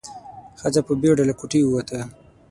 ښځه په بيړه له کوټې ووته.